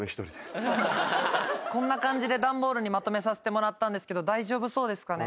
こんな感じで段ボールにまとめさせてもらったんですけど大丈夫そうですかね？